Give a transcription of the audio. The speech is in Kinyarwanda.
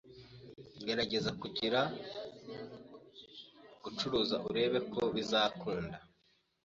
Gerageza kugira gucuruza urebe ko bizakunda